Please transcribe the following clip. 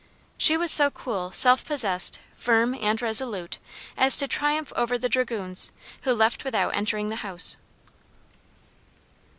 She was so cool, self possessed, firm, and resolute, as to triumph over the dragoons, who left without entering the house.